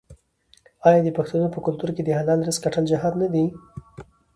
آیا د پښتنو په کلتور کې د حلال رزق ګټل جهاد نه دی؟